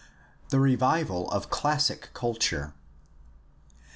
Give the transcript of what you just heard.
The revival of classic culture.